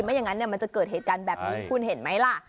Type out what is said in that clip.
ไม้อย่างนั้นเติดเหตุการณ์แบบนี้คุณเห็นมั้ยล่ะ